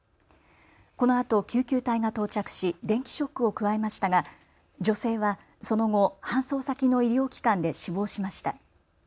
このあと救急隊が到着し電気ショックを加えましたが女性はその後、搬送先の医療機関で死亡しました。